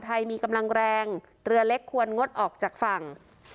มีกำลังแรงเรือเล็กควรงดออกจากฝั่ง